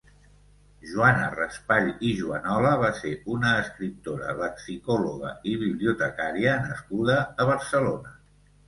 Joana Raspall i Juanola va ser una escriptora, lexicòloga i bibliotecària nascuda a Barcelona.